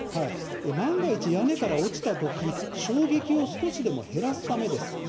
万が一、屋根から落ちた時衝撃を少しでも減らすためです。